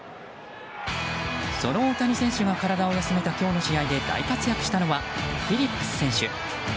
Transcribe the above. その大谷選手が体を休めた今日の試合で大活躍したのはフィリップス選手。